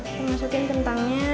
kita masukkan kentangnya